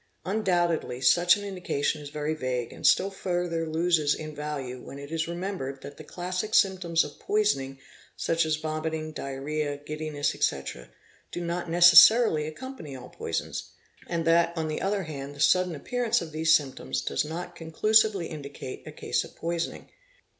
Undoubtedly such an indication is very | ague and still further loses in value when it is remembered that the classic symptoms of poisoning, such as vomiting, diarrhoea, giddiness, etc., not necessarily accompany all poisons; and that on the other hand e sudden appearance of these symptoms does not conclusively indicate ase of poisoning.